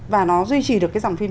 và nó duy trì được cái dòng phim